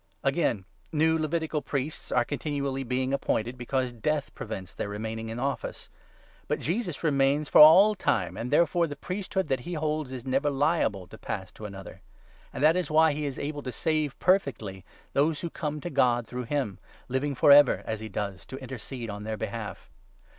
Again, new 23 Levitical priests are continually being appointed, because death prevents their remaining in office ; but Jesus remains for all 24 time, and therefore the priesthood that he holds is never liable to pass to another. And that is why he is able to save 25 perfectly those who come to God through him, living for ever, as he does, to intercede on their behalf.